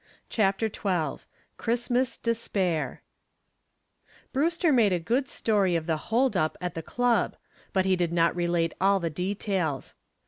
CHAPTER XII CHRISTMAS DESPAIR Brewster made a good story of the "hold up" at the club, but he did not relate all the details.